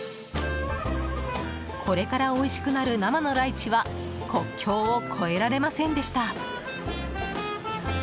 これからおいしくなる生のライチは国境を越えられませんでした。